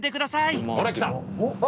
ほらきた！